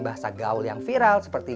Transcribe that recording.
bahasa gaul yang viral seperti